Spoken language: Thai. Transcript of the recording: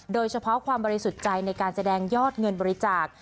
โดยเฉพาะความบริสุทธิ์ใจในการแสดงยอดเงินบริจาค